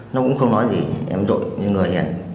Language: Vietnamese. nó cũng không nói gì em đội như người hiền